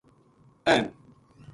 اہم